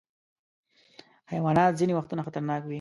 حیوانات ځینې وختونه خطرناک وي.